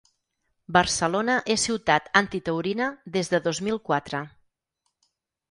Barcelona és ciutat antitaurina des de dos mil quatre.